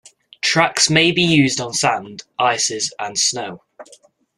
Tracks may be used on sand, ices and snow.